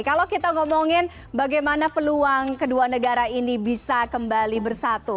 kalau kita ngomongin bagaimana peluang kedua negara ini bisa kembali bersatu